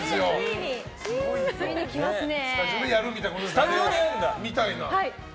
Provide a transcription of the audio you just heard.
スタジオでやるみたいですよ。